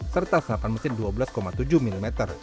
serta senapan mesin dua belas tujuh mm